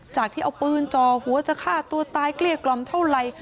จากที่เอาปืนจ่อหัวจะฆ่าตัวตายเกลี้ยกล่อมเท่าไร